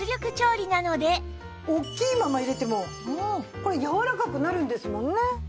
大きいまま入れてもこれやわらかくなるんですもんね。